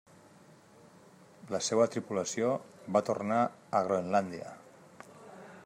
La seva tripulació va tornar a Groenlàndia.